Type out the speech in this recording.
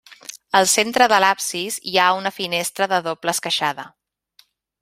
Al centre de l'absis hi ha una finestra de doble esqueixada.